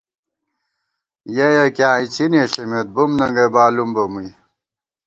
یہ یکِیاں اِڅِنے ݪمېت بُم ننگئ بالُوم بہ مُوئی